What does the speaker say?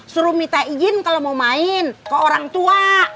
suruh minta izin kalau mau main ke orang tua